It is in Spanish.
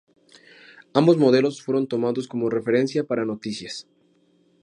Ambos modelos fueron tomados como referencia para "Noticias".